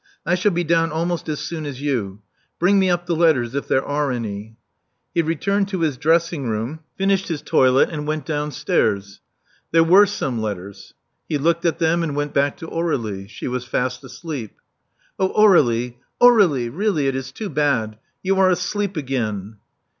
I shall be down almost as soon as you. Bring me up the letters, if there are any." He returned to his dressing room; finished his Love Among the Artists 331 toilet; and went downstairs. There were some letters. He looked at them, and went back to Aur^He. She was fast asleep. Oh, Aur^lie ! Aur^lie ! Really it is too bad. You are asleep again."